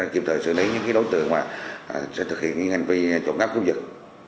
kịp thời xử lý những cái đối tượng mà sẽ thực hiện những hành vi trộm cắp cấp giật